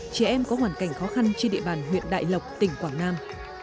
trẻ em có hoàn cảnh khó khăn trên địa bàn huyện đại lộc tỉnh quảng nam